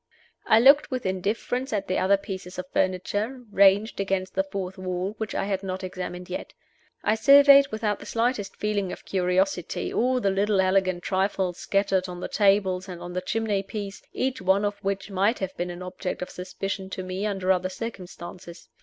I looked with indifference at the other pieces of furniture, ranged against the fourth wall, which I had not examined yet. I surveyed, without the slightest feeling of curiosity, all the little elegant trifles scattered on the tables and on the chimney piece, each one of which might have been an object of suspicion to me under other circumstances.